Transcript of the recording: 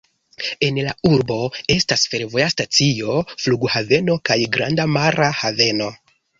En la urbo estas fervoja stacio, flughaveno kaj granda mara haveno.